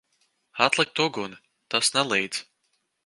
Atlikt uguni! Tas nelīdz.